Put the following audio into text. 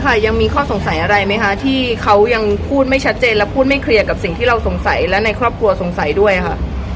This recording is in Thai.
ยังมีข้อสงสัยอะไรไหมคะที่เขายังพูดไม่ชัดเจนและพูดไม่เคลียร์กับสิ่งที่เราสงสัยและในครอบครัวสงสัยด้วยค่ะ